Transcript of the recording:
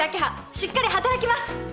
しっかり働きます！